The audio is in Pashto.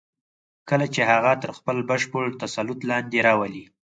کله چې هغه تر خپل بشپړ تسلط لاندې راولئ.